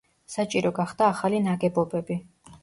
საჭირო გახდა ახალი ნაგებობები.